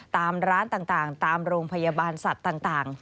ตามร้านต่างตามโรงพยาบาลสัตว์ต่าง